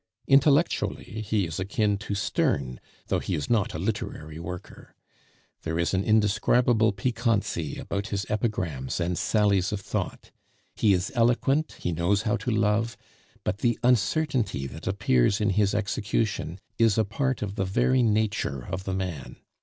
Intellectually he is akin to Sterne, though he is not a literary worker. There is an indescribable piquancy about his epigrams and sallies of thought. He is eloquent, he knows how to love, but the uncertainty that appears in his execution is a part of the very nature of the man.